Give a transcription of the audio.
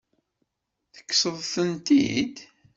Tekkseḍ-tent-id?